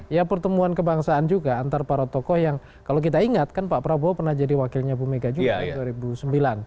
ya pertemuan kebangsaan juga antara para tokoh yang kalau kita ingat kan pak prabowo pernah jadi wakilnya bu mega juga dua ribu sembilan